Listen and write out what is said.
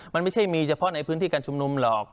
มันไม่ใช่มีเฉพาะในพื้นที่การชุมนุมหรอก